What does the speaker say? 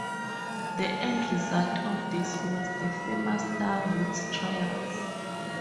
The end result of this was the famous Star routes trials.